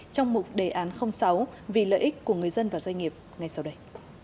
trong mục đề án sáu vì lợi ích của người dân và doanh nghiệp ngay sau đây